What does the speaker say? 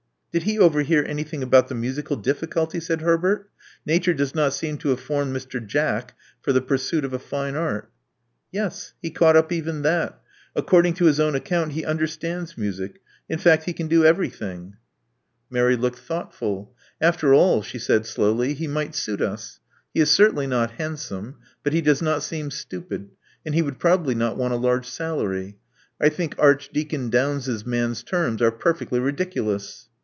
*'Did he overhear anything about the musical d culty?" said Herbert. * 'Nature does not seem to 1 formed Mr. Jack for the pursuit of a fine art. " "Yes: he caught up even that. A^ccording to own account, he understands music — in'fact he c? everything." Love Among the Artists 13 Mary looked thoughtful. After all," she said slowly, he might suit us. He is certainly not hand some; but he does not seem stupid; and he would probably not want a large salary. I think Archdeacon Downes's man's terms are perfectly ridiculous."